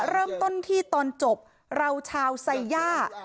เริ่มต้นที่ตอนจบเราชาวไซยา